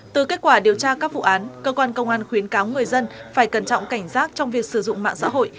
từ kết quả điều tra các vụ án cơ quan công an khuyến cáo người dân phải cẩn trọng cảnh giác trong việc sử dụng mạng xã hội